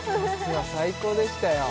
最高でしたよ